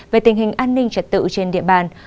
về tình hình an ninh trật tự trên địa bàn